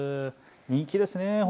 人気ですね。